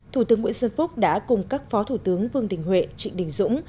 thủ tướng nguyễn xuân phúc đã cùng các phó thủ tướng vương đình huệ trịnh đình dũng